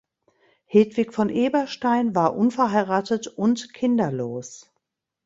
Hedwig von Eberstein war unverheiratet und kinderlos.